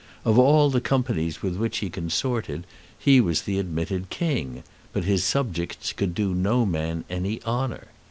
Of all the companies with which he consorted he was the admitted king, but his subjects could do no man any honour.